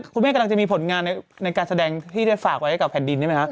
กำลังจะมีผลงานในการแสดงที่ได้ฝากไว้กับแผ่นดินใช่ไหมครับ